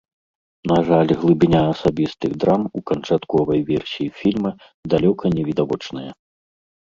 На жаль, глыбіня асабістых драм у канчатковай версіі фільма далёка не відавочная.